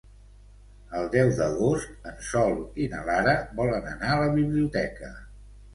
El deu d'agost en Sol i na Lara volen anar a la biblioteca.